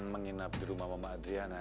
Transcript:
menginap di rumah mama adriana